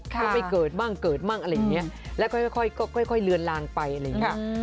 ก็ไม่เกิดบ้างเกิดบ้างอะไรอย่างนี้แล้วค่อยเลือนลางไปอะไรอย่างนี้